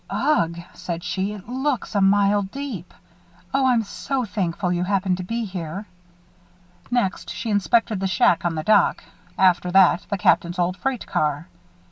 "Ugh!" she said, "it looks a mile deep. Oh, I'm so thankful you happened to be here." Next, she inspected the shack on the dock; after that, the Captain's old freight car.